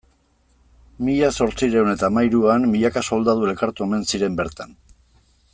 Mila zortziehun eta hamahiruan milaka soldadu elkartu omen ziren bertan.